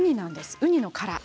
ウニの殻で。